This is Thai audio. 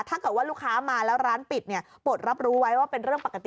ถ้าเกิดว่าลูกค้ามาแล้วร้านปิดเนี่ยปลดรับรู้ไว้ว่าเป็นเรื่องปกติ